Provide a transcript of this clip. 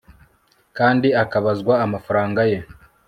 kandi akabazwa amafaranga ye